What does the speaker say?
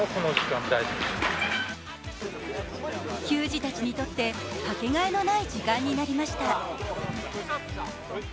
球児たちにとってかけがえのない時間になりました。